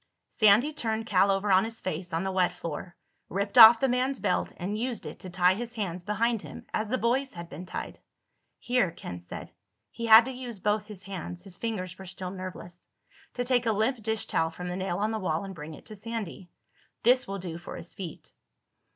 Sandy turned Cal over on his face on the wet floor, ripped off the man's belt and used it to tie his hands behind him, as the boys had been tied. "Here," Ken said. He had to use both his hands—his fingers were still nerveless—to take a limp dish towel from a nail on the wall and bring it to Sandy. "This will do for his feet."